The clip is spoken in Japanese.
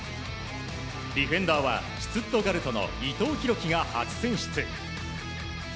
ディフェンダーはシュツットガルトの伊藤洋輝が初選出。